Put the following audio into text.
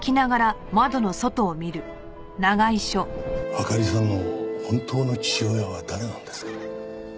あかりさんの本当の父親は誰なんですか？